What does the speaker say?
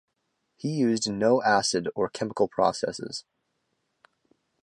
He used no acid or chemical processes.